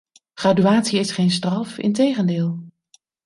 Graduatie is geen straf, integendeel.